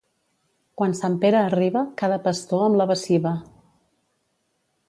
Quan Sant Pere arriba, cada pastor amb la baciva.